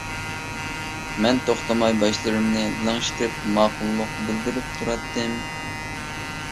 مەن توختىماي باشلىرىمنى لىڭشىتىپ ماقۇللۇق بىلدۈرۈپ تۇراتتىم.